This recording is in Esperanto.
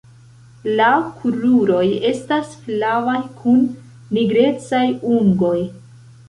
La kruroj estas flavaj kun nigrecaj ungoj.